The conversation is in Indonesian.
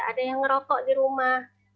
ada yang ngerokok di rumah